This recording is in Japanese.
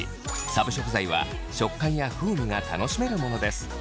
サブ食材は食感や風味が楽しめるものです。